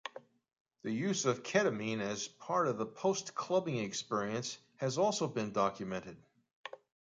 The use of ketamine as part of a "postclubbing experience" has also been documented.